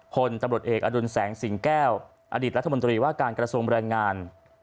พลตำรวจเอกอดุลแสงสิงแก้วอดีตรัฐมนตรีว่าการกระทรวงแรงงาน